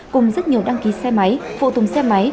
cùng rất nhiều đăng ký xe máy phụ tùng xe máy